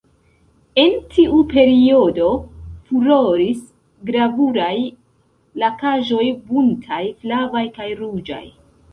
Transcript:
En tiu periodo furoris gravuraj lakaĵoj buntaj, flavaj kaj ruĝaj.